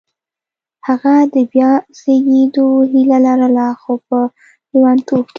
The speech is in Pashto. هغه د بیا زېږېدو هیله لرله خو په لېونتوب کې